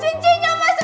cincinnya mas rani lepas